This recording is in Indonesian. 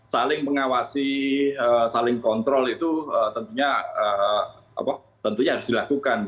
saling mengawasi saling kontrol itu tentunya harus dilakukan